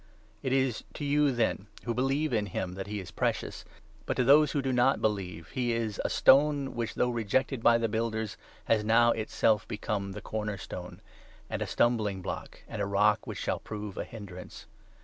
It is to you, then, who believe in him that he is precious, but to 7 those who do not believe he is ' a stone which, though rejected by the builders, has now itself become the corner stone,' and 8 ' a stumbling block, and a rock which shall prove a hindrance.'